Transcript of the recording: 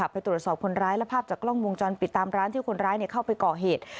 ไปตรวจสอบคนร้ายและภาพจากกล้องวงจรปิดตามร้านที่คนร้ายเข้าไปก่อเหตุ